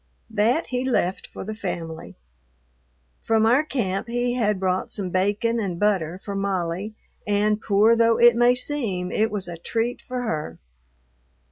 That he left for the family. From our camp he had brought some bacon and butter for Molly, and, poor though it may seem, it was a treat for her.